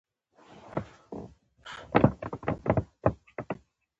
د ټکنالوجۍ له لارې د انسان ژوند خوندي شوی دی.